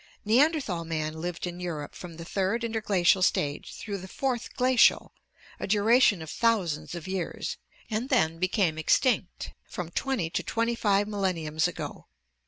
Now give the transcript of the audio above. Neanderthal man lived in Europe from the Third Interglacial stage through the Fourth Glacial, a duration of thousands of years, and then became extinct, from twenty to twenty five millenniums ago.